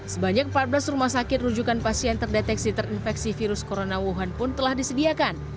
sebanyak empat belas rumah sakit rujukan pasien terdeteksi terinfeksi virus corona wuhan pun telah disediakan